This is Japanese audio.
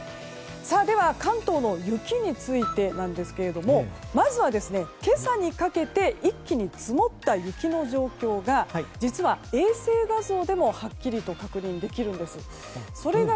では、関東の雪についてですがまずは今朝にかけて一気に積もった雪の状況が実は衛星画像でもはっきりと確認できるんです。